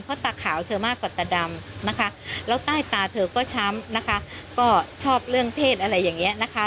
เพราะตาขาวเธอมากกว่าตาดำนะคะแล้วใต้ตาเธอก็ช้ำนะคะก็ชอบเรื่องเพศอะไรอย่างนี้นะคะ